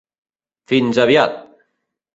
Fins aviat!